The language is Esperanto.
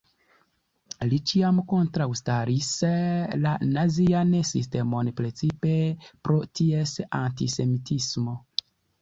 Li ĉiam kontraŭstaris la nazian sistemon, precipe pro ties antisemitismo.